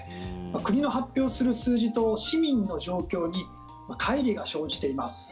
国の発表する数字と市民の状況にかい離が生じています。